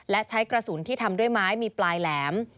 และใช้กระสุนที่ทำด้วยไม้มีปลายแหลม